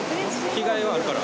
着がえはあるから。